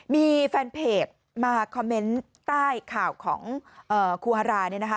มีแฟนเพจมาคอมเมนต์ใต้ข่าวของครูฮาราเนี่ยนะคะ